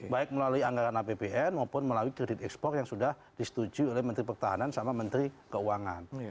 baik melalui anggaran apbn maupun melalui kredit ekspor yang sudah disetujui oleh menteri pertahanan sama menteri keuangan